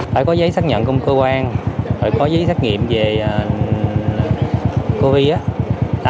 phải có giấy xác nhận công cơ quan phải có giấy xác nghiệm về covid á